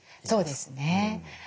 そうですね。